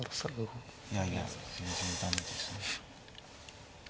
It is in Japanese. いやいや全然駄目ですね。